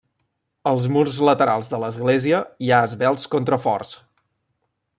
Als murs laterals de l'església hi ha esvelts contraforts.